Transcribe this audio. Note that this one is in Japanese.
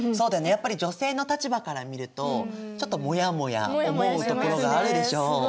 やっぱり女性の立場から見るとちょっとモヤモヤ思うところがあるでしょ。